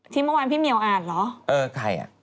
เมื่อวานพี่เหมียวอ่านเหรอเออใครอ่ะ